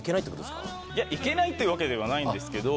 いけないっていうわけではないんですけど。